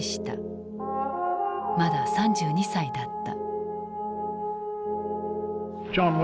まだ３２歳だった。